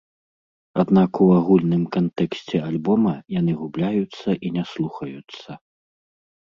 Аднак у агульным кантэксце альбома яны губляюцца і не слухаюцца.